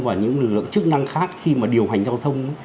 và những lực lượng chức năng khác khi mà điều hành giao thông